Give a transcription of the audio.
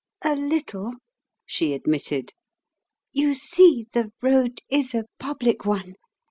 "A little," she admitted. "You see, the road is a public one.